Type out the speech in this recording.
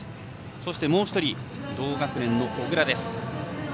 そしてもう１人同学年の小椋です。